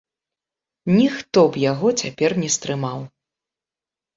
Ніхто б яго цяпер не стрымаў.